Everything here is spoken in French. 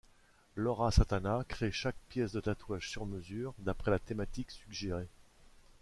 Laura Satana créé chaque pièce de tatouage sur mesure, d'après la thématique suggérée.